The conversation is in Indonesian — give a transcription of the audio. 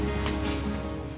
tidak ada yang bisa diberikan